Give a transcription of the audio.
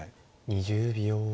２０秒。